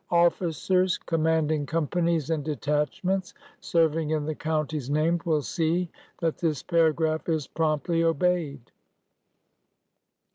'' Officers commanding companies and detachments serving in the counties named, will see that this paragraph is promptly obeyed.